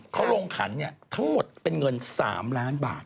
เขาลงขันทั้งหมดเป็นเงิน๓ล้านบาท